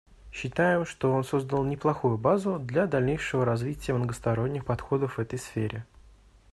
Считаем, что он создал неплохую базу для дальнейшего развития многосторонних подходов в этой сфере.